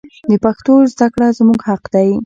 د پښتو زده کړه زموږ حق دی.